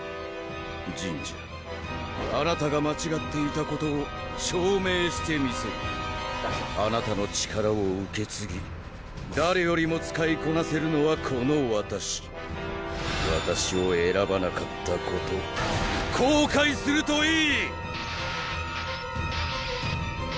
ジンジャーあなたが間違っていたことを証明してみせるあなたの力を受けつぎ誰よりも使いこなせるのはこのわたしわたしをえらばなかったこと後悔するといい！